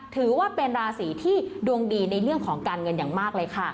ถือว่าเป็นราศีที่ดวงดีในเรื่องของการเงินอย่างมากเลยค่ะ